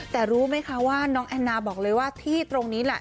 แต่รู้ไหมคะว่าน้องแอนนาบอกเลยว่าที่ตรงนี้แหละ